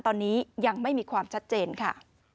ตอนนี้ยังไม่มีความชัดเจนค่ะ